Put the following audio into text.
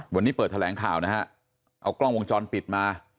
วันนี้เปิดแถลงข่าวนะฮะเอากล้องวงจรปิดมา